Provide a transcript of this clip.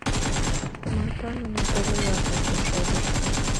Марпа нуным кужу жап ончен шогыш.